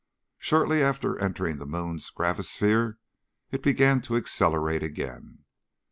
Shortly after entering the moon's gravisphere it began to accelerate again.